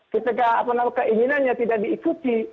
ketika apa apa keinginannya tidak diikuti